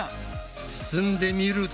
つつんでみると。